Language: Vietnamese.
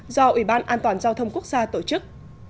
do ủy ban an toàn giao thông quốc gia tổ chức